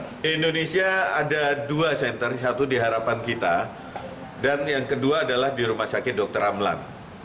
di indonesia ada dua center satu di harapan kita dan yang kedua adalah di rumah sakit dr ramlan